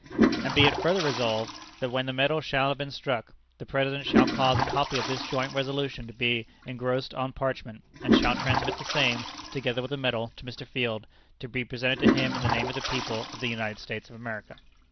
"And be it further resolved, That when the medal shall have been struck, the President shall cause a copy of this joint resolution to be engrossed on parchment, and shall transmit the same, together with the medal, to Mr. Field, to be presented to him in the name of the people of the United States of America.